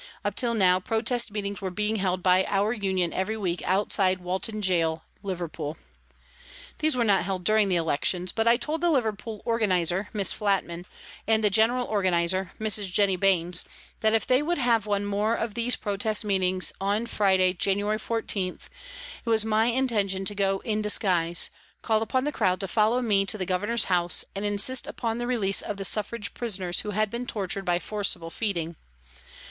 Up till now, protest meetings were being held by our Union every week outside Walton Gaol, Liverpool. These were not held during the elections, but I told the Liverpool organiser, Miss Flatman, and the general organiser, Mrs. Jennie Baines, that if they would have one more of these protest meetings on Friday, January 14, it was my intention to go in disguise, call upon the crowd to follow me to the Governor's house, and insist upon the release of the Suffrage prisoners who had been tortured by forcible feeding.